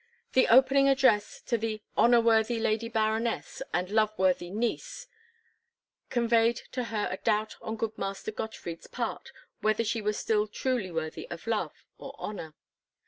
The opening address to the "honour worthy Lady Baroness and love worthy niece," conveyed to her a doubt on good Master Gottfried's part whether she were still truly worthy of love or honour.